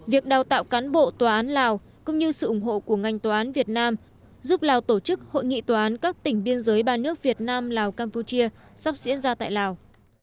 việc đào tạo cán bộ tòa án lào cũng như sự ủng hộ của ngành tòa án việt nam giúp lào tổ chức hội nghị tòa án các tỉnh biên giới ba nước việt nam lào campuchia sắp diễn ra tại lào